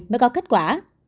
mới có kết quả